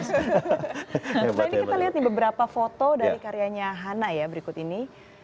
sebenarnya ini kita lihat nih beberapa foto dari karyanya hana ya berikut ini